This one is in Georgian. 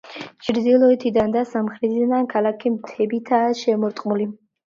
ჩრდილოეთიდან და სამხრეთიდან ქალაქი მთებითაა შემორტყმული.